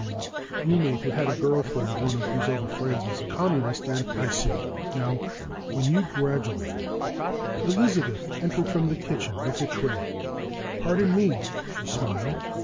and the roommate had had a girl friend one of whose other friends was a Communist, and... "I see. Now, when you graduated " Elizabeth entered from the kitchen with a tray. "Pardon me," she smiled.